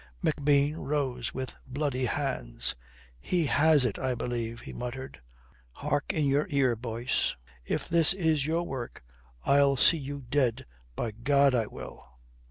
McBean rose with bloody hands. "He has it I believe," he muttered. "Hark in your ear, Boyce. If this is your work, I'll see you dead, by God, I will."